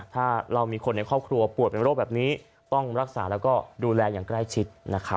ถ้าเรามีคนในครอบครัวปวดเป็นโรคแบบนี้ต้องรักษาแล้วก็ดูแลอย่างใกล้ชิด